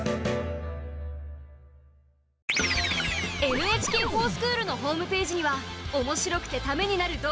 「ＮＨＫｆｏｒＳｃｈｏｏｌ」のホームページにはおもしろくてためになる動画や情報がいっぱいあるよ！